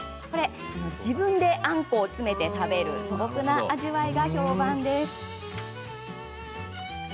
自分であんこを詰めて食べる素朴な味わいが評判です。